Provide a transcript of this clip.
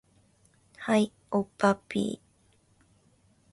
はい、おっぱっぴー